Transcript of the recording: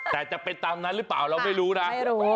แต่จะเป็นตามนั้นหรือเปล่าเราไม่รู้นะไม่รู้